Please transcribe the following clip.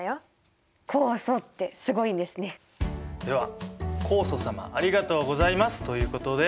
酵素様ありがとうございますということで頂きますか！